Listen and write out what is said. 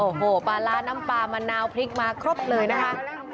โอ้โหปลาร้าน้ำปลามะนาวพริกมาครบเลยนะคะ